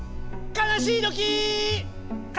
かなしいときー！